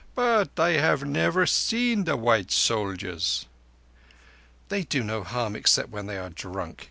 But I have never seen the white soldiers." "They do no harm except when they are drunk.